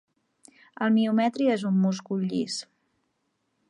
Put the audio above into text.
El miometri és un múscul llis.